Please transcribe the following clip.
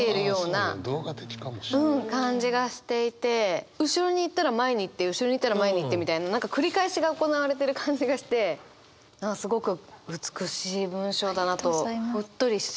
文なんだけど後ろに行ったら前に行って後ろに行ったら前に行ってみたいな何か繰り返しが行われてる感じがしてすごく美しい文章だなとうっとりしてしまいました。